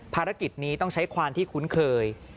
ภารกิจนี้ต้องใช้ความที่คุ้นเคย